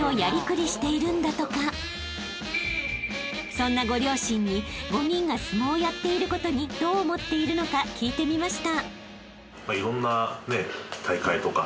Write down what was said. ［そんなご両親に５人が相撲をやっていることにどう思っているのか聞いてみました］